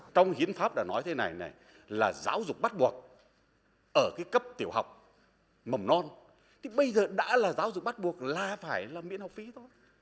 trong hiến pháp đã nói thế này này là giáo dục bắt buộc ở cái cấp tiểu học mầm non thì bây giờ đã là giáo dục bắt buộc là phải là miễn học phí thôi